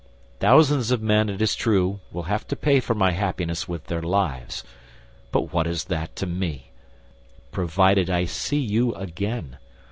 Thousands of men, it is true, will have to pay for my happiness with their lives; but what is that to me, provided I see you again!